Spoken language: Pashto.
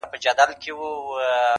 دونه لا نه یم لیونی هوښیاروې مي ولې!